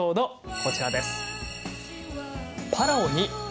こちらです。